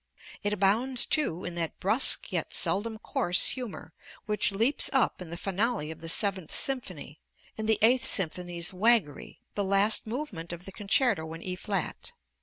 It abounds, too, in that brusque yet seldom coarse humor which leaps up in the Finale of the Seventh Symphony, in the Eighth Symphony's waggery, the last movement of the Concerto in E flat.